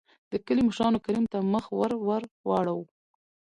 دکلي مشرانو کريم ته مخ ور ور واړو .